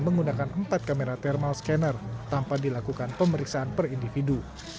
menggunakan empat kamera thermal scanner tanpa dilakukan pemeriksaan per individu